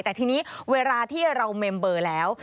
แต่ทีนี้เวลาที่เราเมมเบอร์แล้ว